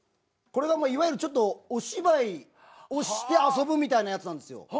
これがいわゆるちょっとお芝居をして遊ぶみたいなやつなんですよ。